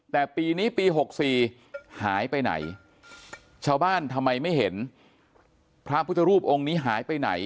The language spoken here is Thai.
แต่ปีนี้ปี๖๔หายไปไหนชาวบ้านทำไมไม่เห็นพระพุทธรูปองค์นี้หายไปไหน